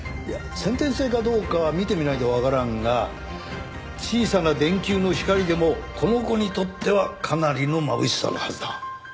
先天性かどうかは診てみないとわからんが小さな電球の光でもこの子にとってはかなりのまぶしさのはずだ。